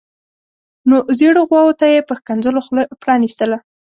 نو زیړو غواوو ته یې په ښکنځلو خوله پرانیستله.